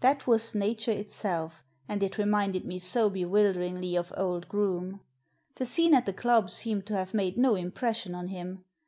That was nature itself, and it reminded me so bewilderingly of old Groome. The scene at the club seemed to have made no impression on him.